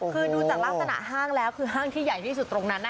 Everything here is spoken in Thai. คือดูจากลักษณะห้างแล้วคือห้างที่ใหญ่ที่สุดตรงนั้น